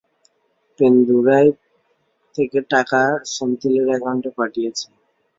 পেরুন্দুরাই থেকে টাকা সেন্থিলের অ্যাকাউন্টে পাঠিয়েছে।